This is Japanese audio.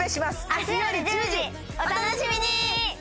明日夜１０時お楽しみに！